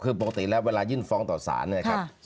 คือปกติแล้วเวลายื่นฟ้องต่อสารเนี่ยครับ